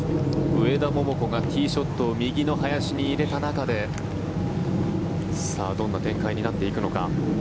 上田桃子がティーショットを右の林に入れた中でどんな展開になっていくのか。